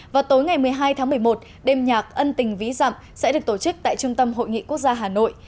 vào tối ngày một mươi hai tháng một mươi một đêm nhạc ân tình ví dặm sẽ được tổ chức tại trung tâm hội nghị quốc gia hà nội